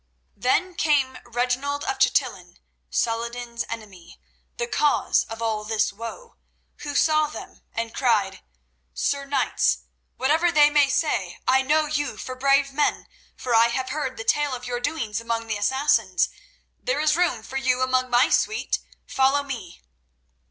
Then came Reginald of Chatillon, Saladin's enemy, the cause of all this woe, who saw them and cried: "Sir Knights, whatever they may say, I know you for brave men, for I have heard the tale of your doings among the Assassins. There is room for you among my suite—follow me."